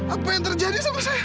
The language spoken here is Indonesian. apa yang terjadi sama saya